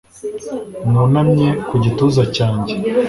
wunamye ku gituza cyanjye